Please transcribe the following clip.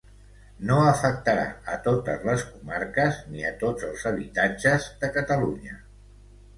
No afectarà a totes les comarques ni a tots els habitatges de Catalunya.